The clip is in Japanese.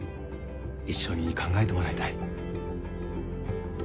一緒に考えてもらいたい。